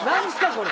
これ。